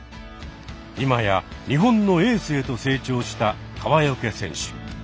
今や日本のエースへと成長した川除選手。